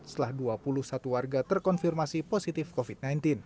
setelah dua puluh satu warga terkonfirmasi positif covid sembilan belas